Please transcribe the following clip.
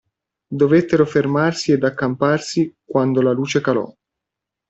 Dovettero fermarsi ed accamparsi quando la luce calò.